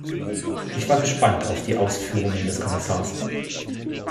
Ich war gespannt auf die Ausführungen des Kommissars.